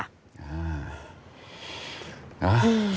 อ้า